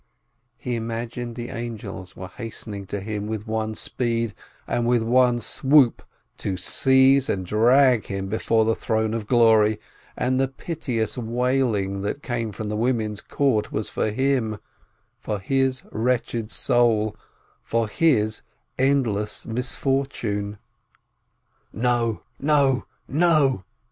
He imagined the angels were hastening to him with one speed, with one swoop, to seize and drag him before the Throne of Glory, and the piteous wailing that came from the women's court was for him, for his wretched soul, for his endless misfortune. "No I no ! no